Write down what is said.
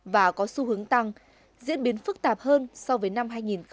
và có xu hướng tăng diễn biến phức tạp hơn so với năm hai nghìn một mươi tám